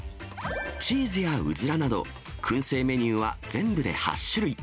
チーズやウズラなど、くん製メニューは全部で８種類。